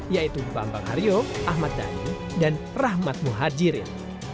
yaitu bambang haryo ahmad dhani dan rahmat muhajirin